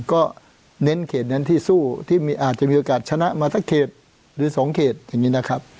ก็เน้นเขตนั้นที่สู้ที่อาจจะมีโอกาสชนะมาสักเขตหรือ๒เขตอย่างนี้นะครับ